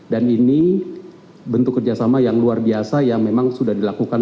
dan ini bentuk kerjasama yang luar biasa yang memang sudah dilakukan